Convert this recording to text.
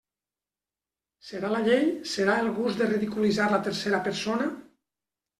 Serà la llei, serà el gust de ridiculitzar la tercera persona?